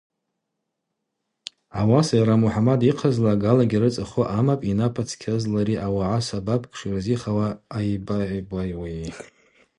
Ауаса йара Мухӏамад йыхъазла агалагьи рыцӏа хвы амапӏ йнапа цкьазлари ауагӏа сабапкӏ шырзихауа ъайбауи.